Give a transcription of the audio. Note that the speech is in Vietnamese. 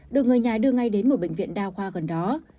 được người nhà đưa ngay đến một bệnh viện đa khoa gần đó